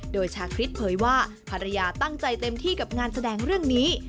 โดยชาคริสเผยว่าภรรยาตั้งใจเต็มที่กับงานแสดงเรื่องนี้